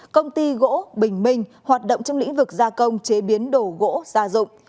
công ty gỗ bình minh hoạt động trong lĩnh vực gia công chế biến đồ gỗ gia dụng